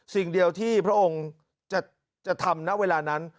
สิ่งเดียวที่พระองค์จะทำณเวลานั้น